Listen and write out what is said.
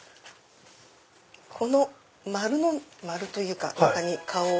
この丸の丸というか中に顔を。